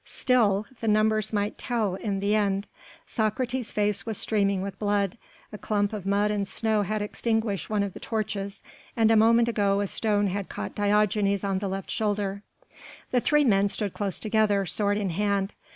Still! the numbers might tell in the end. Socrates' face was streaming with blood: a clump of mud and snow had extinguished one of the torches, and a moment ago a stone had caught Diogenes on the left shoulder. The three men stood close together, sword in hand.